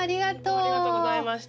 ホントありがとうございました